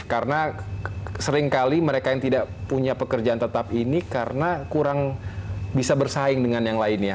karena seringkali mereka yang tidak punya pekerjaan tetap ini karena kurang bisa bersaing dengan yang lainnya